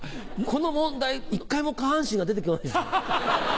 この問題一回も下半身が出て来てない。